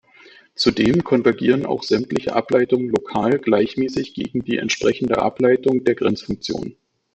Zudem konvergieren auch sämtliche Ableitungen lokal gleichmäßig gegen die entsprechende Ableitung der Grenzfunktion.